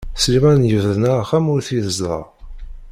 Sliman yebna axxam ur t-yezdiɣ.